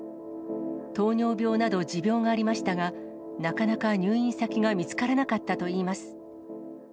糖尿病など持病がありましたが、なかなか入院先が見つからなかったといいます。